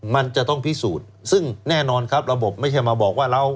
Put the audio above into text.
มันจะต้องพิสูจน์ซึ่งแน่นอนครับระบบไม่ใช่มาบอกว่าเรา